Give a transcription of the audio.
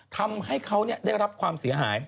ทำให้เขาได้รับความเสียหาย